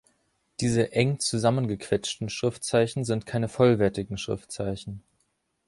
Diese „eng zusammengequetschten“ Schriftzeichen sind keine vollwertigen Schriftzeichen.